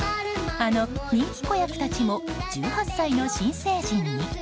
あの人気子役たちも１８歳の新成人に。